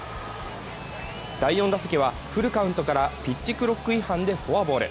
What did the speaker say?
第４打席は、フルカウントからピッチクロック違反でフォアボール。